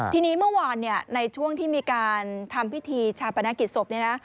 ทีนี้เมื่อวานในช่วงที่มีการทำพิธีชาปนกิจศพเนี่ยนะ